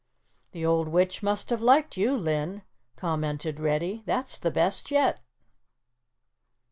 "The old witch must have liked you, Linn," commented Reddy. "That's the best yet."